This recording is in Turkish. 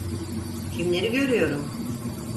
Kimleri görüyorum?